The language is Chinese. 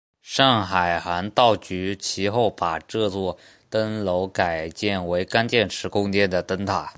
上海航道局其后把这座灯楼改建为干电池供电的灯塔。